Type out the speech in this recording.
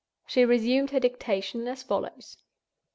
She resumed her dictation, as follows